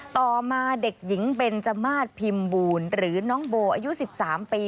ต่อมาเด็กหญิงเบนจมาสพิมพ์บูลหรือน้องโบอายุ๑๓ปี